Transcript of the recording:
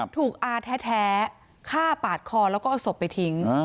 อาแท้ฆ่าปาดคอแล้วก็เอาศพไปทิ้ง